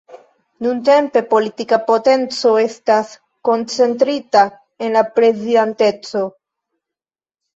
Nuntempe, politika potenco estas koncentrita en la Prezidanteco.